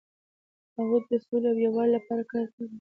هغوی د سولې او یووالي لپاره کار کاوه.